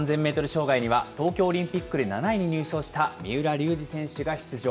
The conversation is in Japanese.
障害には、東京オリンピックで７位に入賞した三浦龍司選手が出場。